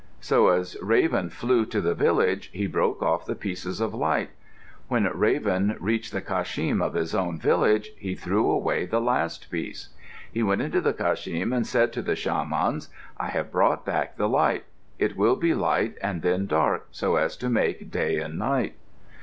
So as Raven flew to the village he broke off the pieces of light. When Raven reached the kashim of his own village he threw away the last piece. He went into the kashim and said to the shamans, "I have brought back the light. It will be light and then dark, so as to make day and night."